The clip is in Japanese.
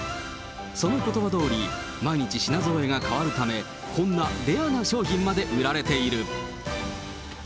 そのことばどおり、毎日品ぞろえが変わるため、こんなレアな商品まで売られている。